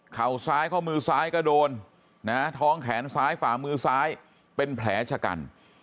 เข่าซ้ายเข้ามือซ้ายกระโดนท้องแขนซ้ายฝ่ามือซ้ายเป็นแผลชะกัน